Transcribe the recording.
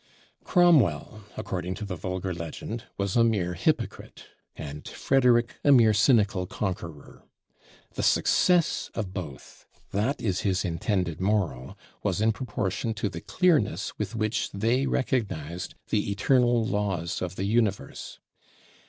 Cromwell, according to the vulgar legend, was a mere hypocrite, and Frederick a mere cynical conqueror. The success of both that is his intended moral was in proportion to the clearness with which they recognized the eternal laws of the universe.